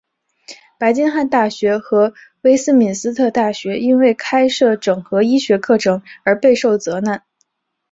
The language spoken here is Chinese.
白金汉大学和威斯敏斯特大学因为开设整合医学课程而备受责难。